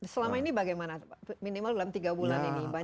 selama ini bagaimana minimal dalam tiga bulan ini